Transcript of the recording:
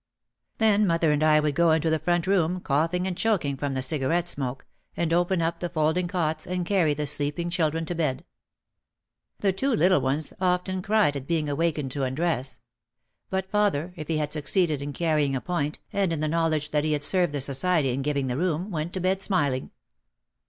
Then mother and I would go into the front room coughing and choking from the cigarette smoke, and open up the folding cots, and carry the sleeping children to bed. The two little ones often cried at being awakened OUT OF THE SHADOW 197 to undress. But father, if he had succeeded in carrying a point and in the knowledge that he had served the society in giving the room, went to bed smiling.